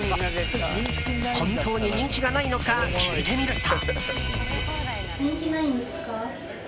本当に人気がないのか聞いてみると。